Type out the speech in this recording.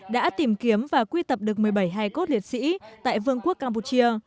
đã tìm kiếm và quy tập được một mươi bảy hải cốt liệt sĩ tại vương quốc campuchia